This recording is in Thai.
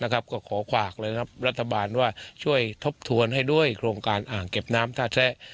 ก็ขอฝากเลยนะครับรัฐบาลว่าช่วยทบทวนให้ด้วยโครงการอ่างเก็บน้ำท่าแซะ